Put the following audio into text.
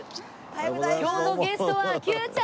今日のゲストはＱちゃん